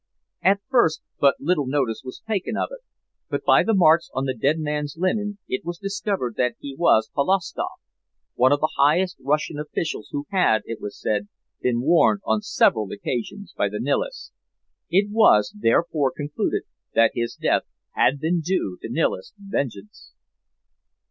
At first but little notice was taken of it, but by the marks on the dead man's linen it was discovered that he was Polovstoff, one of the highest Russian officials who had, it was said, been warned on several occasions by the Nihilists. It was, therefore, concluded that his death had been due to Nihilist vengeance."